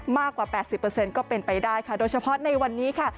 มากกว่า๘๐ก็เป็นไปได้ค่ะโดยเฉพาะในวันนี้ค่ะ